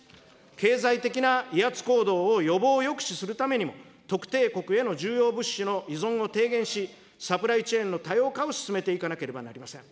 経済的な威圧行動を予防、抑止するためにも、特定国への重要物資の依存を低減し、サプライチェーンの多様化を進めていかなければなりません。